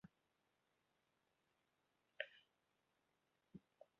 Mae'r Gaer wedi ei rhestru'n Fan Hanesyddol Categori Un.